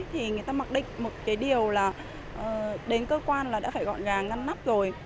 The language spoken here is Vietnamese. thì người ta mặc định một cái điều là đến cơ quan là đã phải gọn gàng ngăn nắp rồi